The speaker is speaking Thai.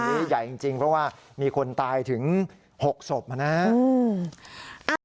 อันนี้ใหญ่จริงเพราะว่ามีคนตายถึง๖ศพนะครับ